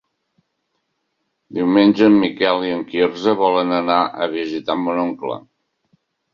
Diumenge en Miquel i en Quirze volen anar a visitar mon oncle.